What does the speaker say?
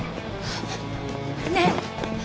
ねえ！